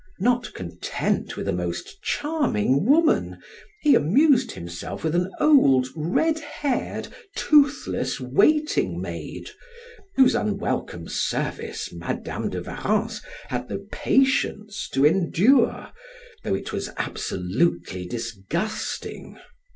Not content with a most charming woman, he amused himself with an old red haired, toothless waiting maid, whose unwelcome service Madam de Warrens had the patience to endure, though it was absolutely disgusting.